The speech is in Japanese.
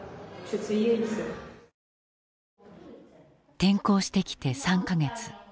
転校してきて３か月。